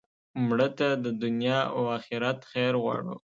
مړه ته د دنیا او آخرت خیر غواړو